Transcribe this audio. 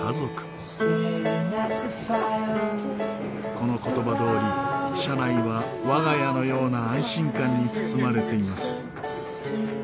この言葉どおり車内はわが家のような安心感に包まれています。